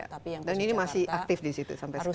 dan ini masih aktif disitu sampai sekarang kan